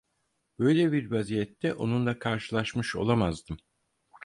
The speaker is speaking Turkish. Böyle bir vaziyette onunla karşılaşmış olamazdım.